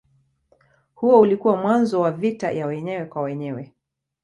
Huo ulikuwa mwanzo wa vita ya wenyewe kwa wenyewe.